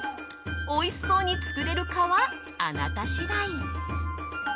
おいしそうに作れるかはあなた次第。